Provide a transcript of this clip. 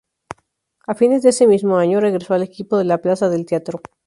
A fines de ese mismo año regresó al equipo de la 'Plaza del Teatro'.